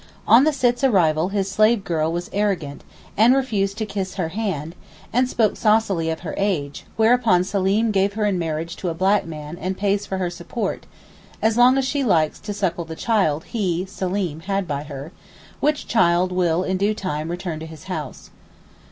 On the Sitt's arrival his slave girl was arrogant, and refused to kiss her hand, and spoke saucily of her age, whereupon Seleem gave her in marriage to a black man and pays for her support, as long as she likes to suckle the child he (Seleem) had by her, which child will in due time return to his house.